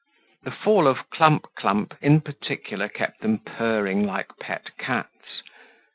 The fall of Clump clump in particular kept them purring like pet cats.